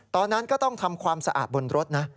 ตอนนั้นก็ต้องทำความสะอาดบนรถนะ